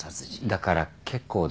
だから結構です。